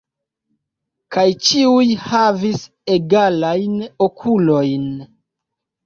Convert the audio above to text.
Kaj ĉiuj havis egalajn okulojn.